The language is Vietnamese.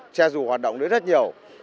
xe dù hoạt động rất nhiều